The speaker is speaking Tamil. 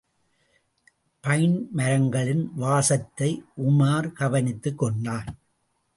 பைன்மரங்களின் வாசத்தை உமார் கவனித்துக் கொண்டான்.